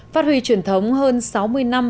phát huy truyền thống hơn sáu mươi năm